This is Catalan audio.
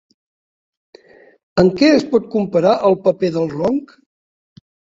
Amb què es pot comparar el paper del ronc?